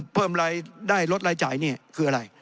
เพิ่มรายได้ลดรายจ่ายนี่คืออะไร